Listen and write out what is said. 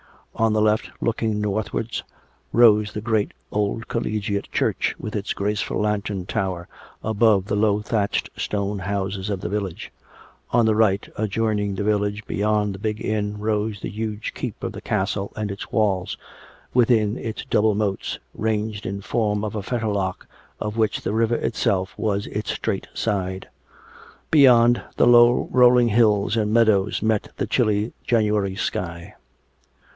On the left, looking northwards, rose the great old colle giate church, with its graceful lantern tower, above the low thatched stone houses of the village; on the right, ad joining the village beyond the big inn, rose the huge keep of the castle and its walls, within its double moats, ranged in form of a fetterlock of which the river itself was its straight side. Beyond, the low rolling hills and meadows met the chilly January sky.